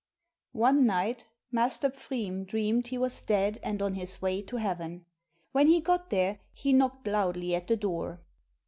One night Master Pfriem dreamed he was dead, and on his way to heaven. When he got there, he knocked loudly at the door.